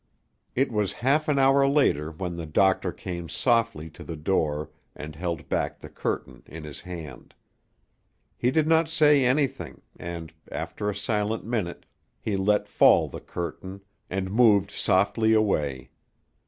It was half an hour later when the doctor came softly to the door and held back the curtain in his hand. He did not say anything and, after a silent minute, he let fall the curtain and moved softly away.